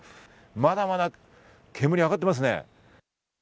まだまだ煙が上がっていますね。